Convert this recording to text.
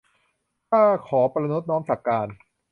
ข้าขอประณตน้อมสักการ